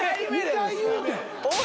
２回言うてん。